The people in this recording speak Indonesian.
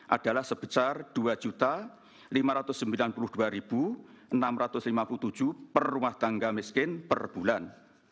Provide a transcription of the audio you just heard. adalah sebesar dua lima ratus sembilan puluh dua enam ratus lima puluh tujuh per rumah tangga miskin per bulan